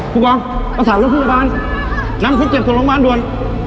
คุณความประสานรถผู้ประบานนำพวกเจ็บคนลงบ้านด้วย